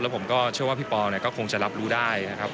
แล้วผมก็เชื่อว่าพี่พอเนี่ยก็คงจะรับรู้ได้นะครับ